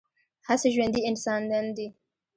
هسې ژوندي انسانان دي